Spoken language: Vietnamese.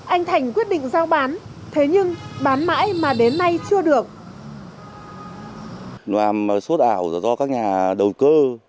anh thành quyết định giao bán thế nhưng bán mãi mà đến nay chưa được